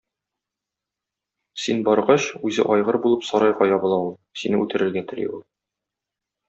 Син баргач, үзе айгыр булып сарайга ябыла ул, сине үтерергә тели ул.